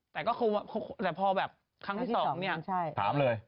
แต่ขวาแต่พอละครั้งที่สองเนี้ย